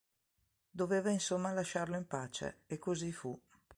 Doveva insomma lasciarlo in pace e così fu.